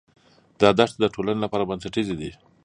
دا دښتې د ټولنې لپاره بنسټیزې دي.